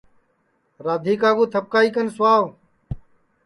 رادھیکا کُو تھپکائی کن سُاو